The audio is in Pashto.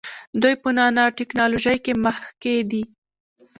دوی په نانو ټیکنالوژۍ کې مخکې دي.